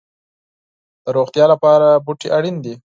د روغتیا لپاره بوټي اړین دي